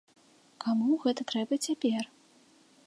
Каму гэта трэба цяпер?